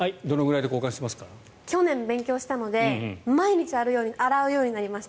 去年勉強したので毎日洗うようになりました。